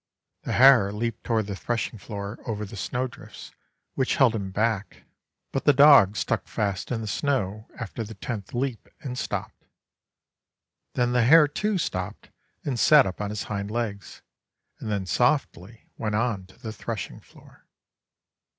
The hare leaped toward the threshing floor over the snow drifts, which held him back ; but the dog 70 STORIES FOR CHILDREN 71 stuck fast in the snow after the tenth leap, and stopped. Then the hare, too, stopped and sat up on his hind legs, and then softly went on to the threshing floor.